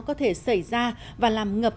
có thể xảy ra và làm ngập